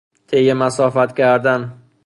طی مسافت کردن